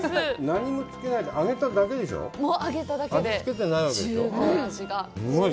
何もつけないで揚げただけでしょう？